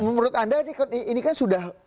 menurut anda ini kan sudah